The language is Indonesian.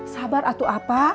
sabar atu apa